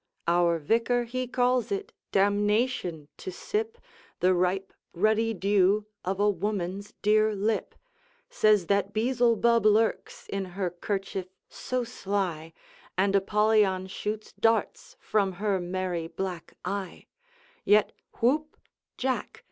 Our vicar he calls it damnation to sip The ripe ruddy dew of a woman's dear lip, Says that Beelzebub lurks in her kerchief so sly, And Apollyon shoots darts from her merry black eye; Yet whoop, Jack!